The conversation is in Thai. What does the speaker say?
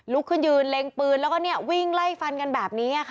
ลุกขึ้นยืนเล็งปืนแล้วก็วิ่งไล่ฟันกันแบบนี้ค่ะ